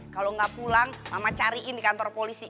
kalau nggak pulang mama cariin di kantor polisi